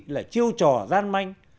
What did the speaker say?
là chiêu trò gian manh